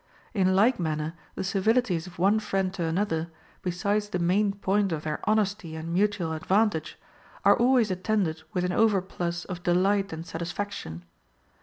En like manner the civilities of one friend to another, be sides the main point of their honesty and mutual advantage, are always attended with an overplus of delight and satis VOL. II. 8 114 HOW TO KNOW A FLATTERER faction.